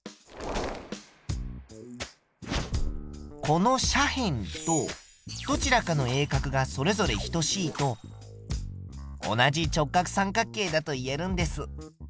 この斜辺とどちらかの鋭角がそれぞれ等しいと同じ直角三角形だと言えるんです。